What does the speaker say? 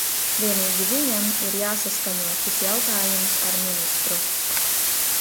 Vienīgi viņam ir jāsaskaņo šis jautājums ar ministru.